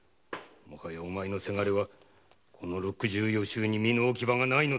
お前の倅はこの六十余州に身の置き場がないのだ。